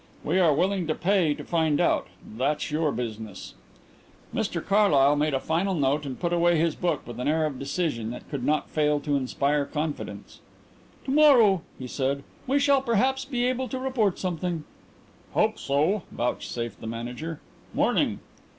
We are willing to pay to find out. That's your business." Mr Carlyle made a final note and put away his book with an air of decision that could not fail to inspire confidence. "To morrow," he said, "we shall perhaps be able to report something." "Hope so," vouchsafed the Manager. "'Morning."